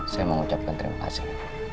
saya mau ucapkan terima kasih